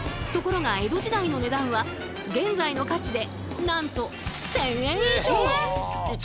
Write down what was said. ところが江戸時代の値段は現在の価値でなんと１，０００円以上！